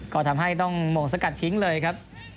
ก็ทำให้ต้องหม่งสกัดทิ้งเลยครับ